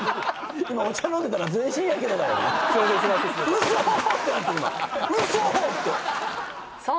今今お茶飲んでたら全身やけどだよすいません